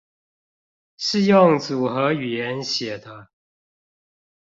是用組合語言寫的